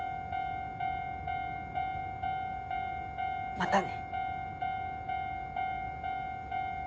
またね。